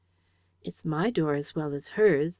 "It's my door as well as hers.